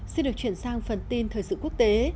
xin được chuyển sang phần tin thời sự quốc tế